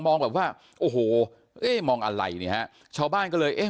แบบว่าโอ้โหเอ๊ะมองอะไรเนี่ยฮะชาวบ้านก็เลยเอ๊ะ